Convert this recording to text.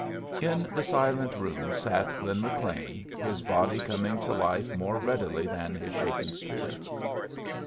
In the silent room sat Lin McLean, his body coming to life more readily than his shaken spirit.